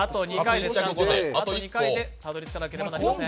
あと２回でたどり着かなければいけません。